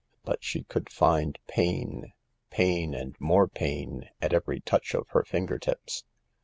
But she could find pain, pain, and more pain, at every touch of her finger tips.